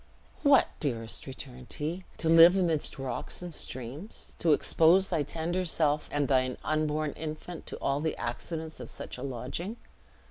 "What, dearest!" returned he, "to live amidst rocks and streams! to expose thy tender self, and thine unborn infant, to all the accidents of such a lodging!"